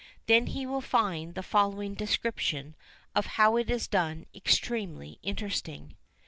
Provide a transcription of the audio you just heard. Then he will find the following description of how it is done extremely interesting.